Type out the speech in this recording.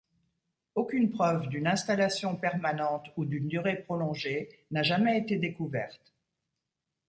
Aucune preuve d'une installation permanente ou d'une durée prolongée n'a jamais été découvert.